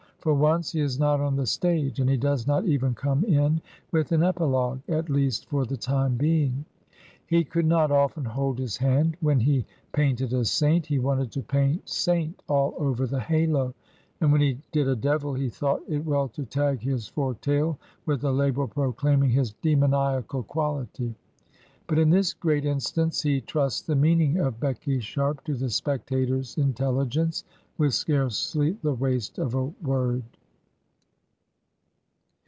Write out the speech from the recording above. For once, he is not on the stage, and he does not even come in with an epilogue, at least for the time being. / He could not often hold his hand ; when he painted a 'saint, he wanted to paint ''Saint" all over the halo; and when he did a devil, he thought it well to tag his forked tail with a label proclaiming his demoniacal quality. But in this great instance, he trusts the meaning of Becky Sharp to the spectator's intelligence, with scarcely the waste of a word.